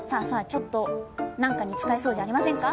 ちょっと何かに使えそうじゃありませんか？